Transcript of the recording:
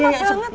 ah amat banget